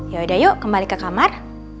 yaudah yuk kembali ke kamar